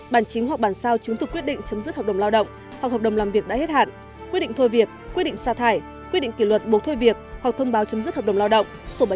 bản chính hoặc bản sau chứng thực quyết định chấm dứt hợp đồng lao động hoặc hợp đồng làm việc đã hết hạn quyết định thôi việc quyết định sa thải quyết định kỷ luật bố thôi việc hoặc thông báo chấm dứt hợp đồng lao động xổ bài hiểm xã hội